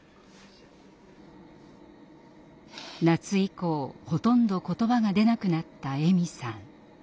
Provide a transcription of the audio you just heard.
夏以降ほとんど言葉が出なくなったエミさん。